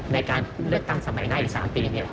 ในการเลือกตั้งสมัยหน้าอีก๓ปี